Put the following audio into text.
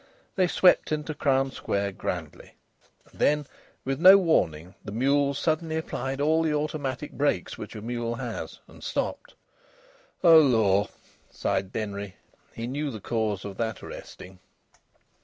They swept into Crown Square grandly. And then, with no warning, the mule suddenly applied all the automatic brakes which a mule has, and stopped. "Oh Lor!" sighed Denry. He knew the cause of that arresting.